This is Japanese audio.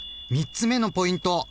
３つ目のポイント